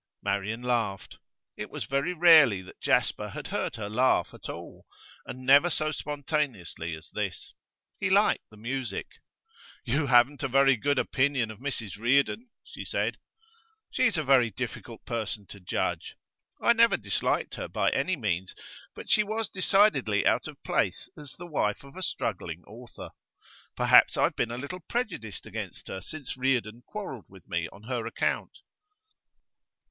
Marian laughed. It was very rarely that Jasper had heard her laugh at all, and never so spontaneously as this. He liked the music. 'You haven't a very good opinion of Mrs Reardon,' she said. 'She is a difficult person to judge. I never disliked her, by any means; but she was decidedly out of place as the wife of a struggling author. Perhaps I have been a little prejudiced against her since Reardon quarrelled with me on her account.